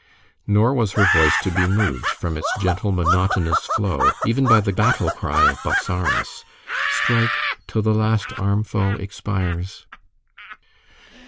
Nor was her voice to be moved from its gentle, monotonous flow even by the battle cry of Bozzaris, "Strike! till the last armed foe expires!"